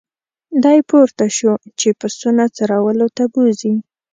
دی پورته شو چې پسونه څرولو ته بوزي.